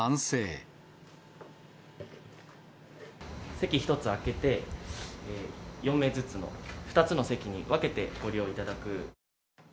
席１つ空けて、４名ずつの２つの席に分けてご利用いただく。